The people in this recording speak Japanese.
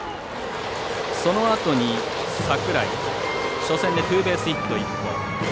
そのあとに、櫻井初戦でツーベースヒット１本。